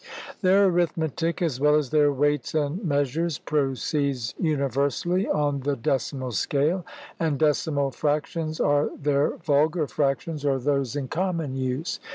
Their arithmetic, as well as their weights and meas ures, proceeds universally on the decimal scale; and decimal fractions are their vulgar fractions, or those in common use.